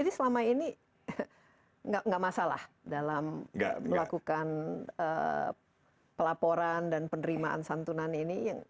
selama ini tidak masalah dalam melakukan pelaporan dan penerimaan santunan ini